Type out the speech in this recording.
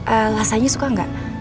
eee lasanya suka gak